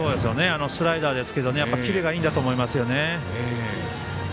スライダーですけどキレがいいんだと思います。